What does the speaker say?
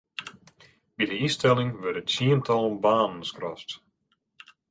By de ynstelling wurde tsientallen banen skrast.